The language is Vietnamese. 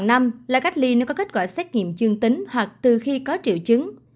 giai đoạn sáu là cách ly nếu có kết quả xét nghiệm dương tính hoặc từ khi có triệu chứng